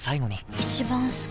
一番好き